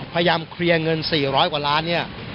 พยายามเคลียร์เงิน๔๐๐กว่าล้านเนี่ย